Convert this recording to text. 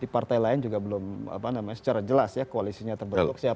di partai lain juga belum secara jelas ya koalisinya terbentuk siapa